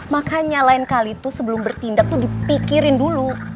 makanya lain kali itu sebelum bertindak tuh dipikirin dulu